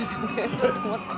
ちょっと待って。